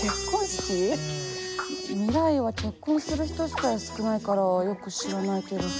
未来は結婚する人自体少ないからよく知らないけど。